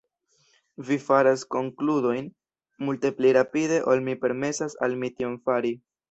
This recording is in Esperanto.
Vi faras konkludojn multe pli rapide ol mi permesas al mi tion fari.